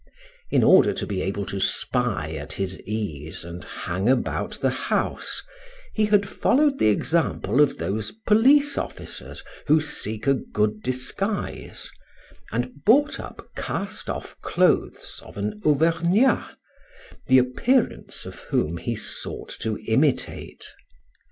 In order to be able to spy at his ease and hang about the house, he had followed the example of those police officers who seek a good disguise, and bought up cast off clothes of an Auvergnat, the appearance of whom he sought to imitate.